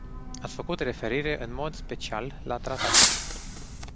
Ați făcut referire în mod special la tratat.